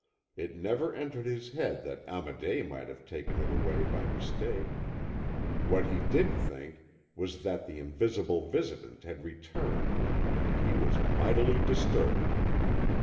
It never entered his head that Amédée might have taken it away by mistake. What he did think was that the invisible visitant had returned, and he was mightily disturbed.